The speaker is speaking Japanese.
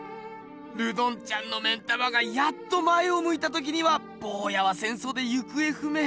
ルドンちゃんの目ん玉がやっと前をむいた時にはぼうやは戦争で行方不明。